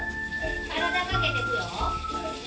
体かけていくよ。